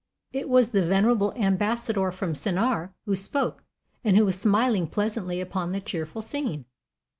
It was the venerable Ambassador from Sennaar who spoke, and who was smiling pleasantly upon the cheerful scene.